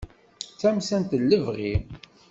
D tamsalt n lebɣi.